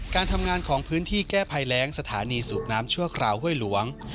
การทำงานของพื้นที่แก้ภัยแรงสถานีสูบน้ำชั่วคราวห้วยหลวง